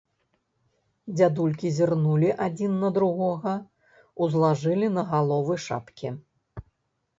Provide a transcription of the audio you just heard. Дзядулькі зірнулі адзін на другога, узлажылі на галовы шапкі.